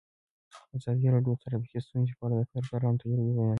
ازادي راډیو د ټرافیکي ستونزې په اړه د کارګرانو تجربې بیان کړي.